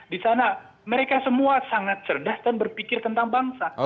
di sana mereka semua sangat cerdas dan berpikir tentang bangsa